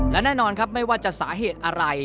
และแน่นอนครับไม่ว่าจะสาเหตุอะไร